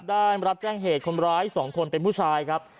ได้รับแจ้งเหตุคนร้าย๒คนเป็นผู้ชายครับ